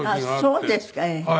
あっそうですか。